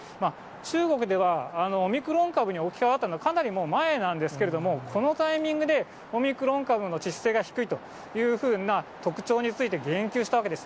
中国ではオミクロン株に置き換わったのは、かなりもう、前なんですけれども、このタイミングで、オミクロン株の致死性が低いというふうな特徴について言及したわけです。